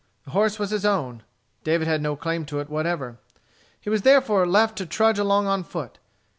The horse was his own. David had no claim to it whatever. He was therefore left to trudge along on foot.